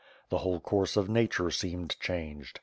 The whole course of Nature seemed changed.